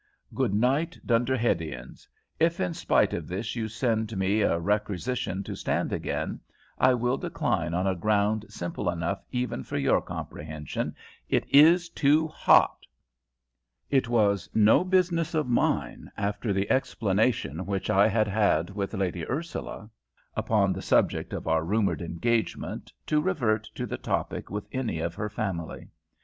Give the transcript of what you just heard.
Good night, Dunderheadians. If in spite of this you send me a requisition to stand again, I will decline on a ground simple enough even for your comprehension It is too hot! It was no business of mine, after the explanation which I had had with Lady Ursula upon the subject of our rumoured engagement, to revert to the topic with any of her family.